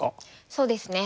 そうですね。